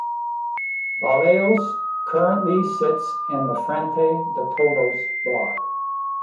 Vallejos currently sits in the Frente de Todos bloc.